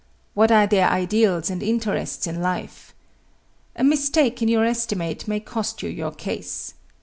What are their ideals and interests in life? A mistake in your estimate may cost you your case.